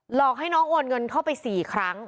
หลอกให้น้องโอนเงินเข้าไป๔ครั้ง